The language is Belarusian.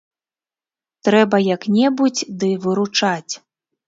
Трэба як-небудзь ды выручаць.